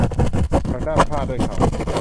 หักด้ามพร้าด้วยเข่า